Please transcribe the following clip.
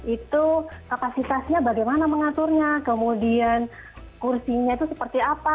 itu kapasitasnya bagaimana mengaturnya kemudian kursinya itu seperti apa